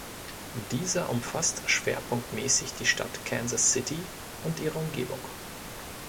Dieser umfasst schwerpunktmäßig die Stadt Kansas City und ihre Umgebung.